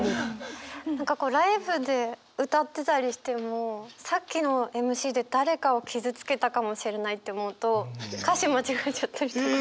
何かこうライブで歌ってたりしてもさっきのＭＣで誰かを傷つけたかもしれないと思うと歌詞間違えちゃったりとか。